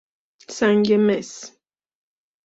سنگ مس